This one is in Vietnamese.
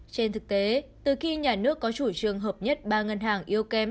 trên thực tế từ khi nhà nước có chủ trương hợp nhất ba ngân hàng yêu kém